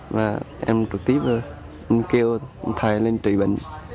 và em trực tiếp kêu thầy lên trị bệnh